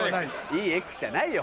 いいＸじゃないよ